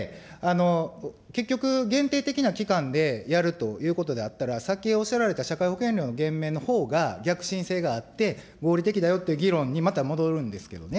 結局、限定的な期間でやるということであったら、さっきおっしゃられた社会保険料の減免のほうが、逆進性があって、合理的だよって議論にまた戻るんですけどね。